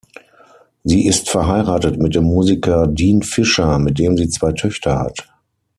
Sie ist verheiratet mit dem Musiker Dean Fisher, mit dem sie zwei Töchter hat.